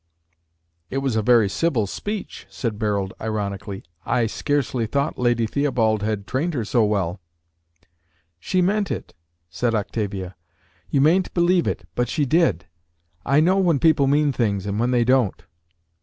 "It was a very civil speech," said Barold ironically. "I scarcely thought Lady Theobald had trained her so well." "She meant it," said Octavia. "You mayn't believe it, but she did. I know when people mean things, and when they don't."